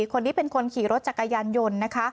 คนนี้เป็นคนขี่รถจักรยานยนต์นะคะ